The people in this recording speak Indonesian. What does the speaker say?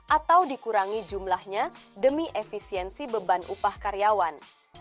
atau dikurangi jumlahnya demi efisiensi beban upah karyawan